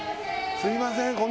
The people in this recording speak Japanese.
すいません